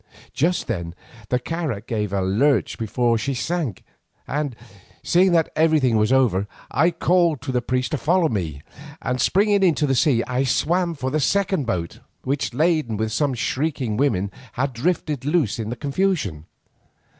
Just then the carak gave a lurch before she sank, and, seeing that everything was over, I called to the priest to follow me, and springing into the sea I swam for the second boat, which, laden with some shrieking women, had drifted loose in the confusion.